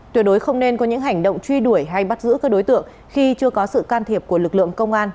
tuyệt đối không nên có những hành động truy đuổi hay bắt giữ các đối tượng khi chưa có sự can thiệp của lực lượng công an